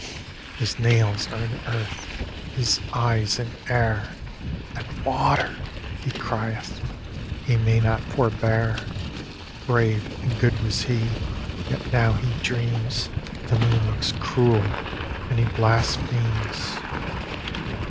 ] His nails are in earth, his eyes in air, And "Water!" he crieth he may not forbear. Brave and good was he, yet now he dreams The moon looks cruel; and he blasphemes.